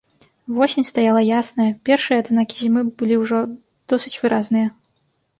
Восень стаяла ясная, першыя адзнакі зімы былі ўжо досыць выразныя.